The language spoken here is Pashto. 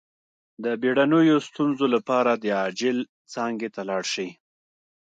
د بیړنیو ستونزو لپاره د عاجل څانګې ته لاړ شئ